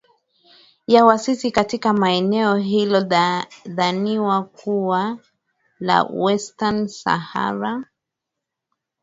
ya waasi katika eneo linalo dhaniwa kuwa la western sahara